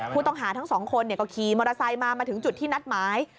ผู้ต้องหาทั้งสองคนก็ขี่มอเตอร์ไซค์มามาถึงจุดที่นัดหมาย